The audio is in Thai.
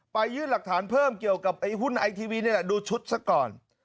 ยื่นหลักฐานเพิ่มเกี่ยวกับไอ้หุ้นไอทีวีนี่แหละดูชุดซะก่อน